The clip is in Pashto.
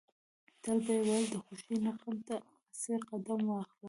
تل به يې ويل د خوښۍ نه غم ته اسې قدم واخله.